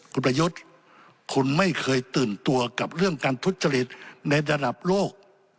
คุณประยุทธ์คุณไม่เคยตื่นตัวกับเรื่องการทุจริตในระดับโลก